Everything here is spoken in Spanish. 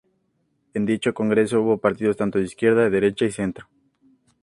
En dicho congreso hubo partidos tanto de izquierda, derecha y centro.